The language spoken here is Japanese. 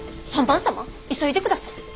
３番様急いでください。